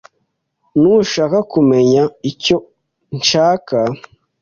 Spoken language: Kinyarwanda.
Ntushaka kumenya icyo nshaka?